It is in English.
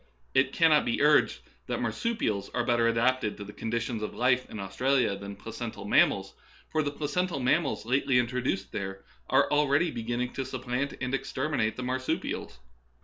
It cannot be urged that marsupials are better adapted to the conditions of life in Australia than placental mammals ; for the placental mammals lately in troduced there are already beginning to supplant and exterminate the marsupials.